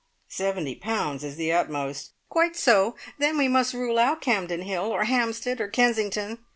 "Seventy pounds is the utmost " "Quite so. Then we must rule out Campden Hill, or Hampstead, or Kensington."